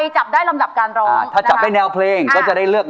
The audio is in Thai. จับพร้อมแล้วก็ยิบ